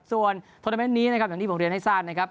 ส่วนโทรเมนต์นี้อย่างที่ผมเรียนให้ซัน